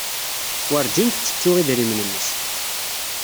Werǧin tettettu idrimen-nnes.